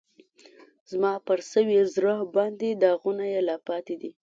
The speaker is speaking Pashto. زما پر سوي زړه باندې داغونه یې لا پاتی دي